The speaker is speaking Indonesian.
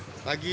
selamat pagi pak